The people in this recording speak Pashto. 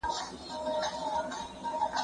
زه به سبا کتاب وليکم؟!؟!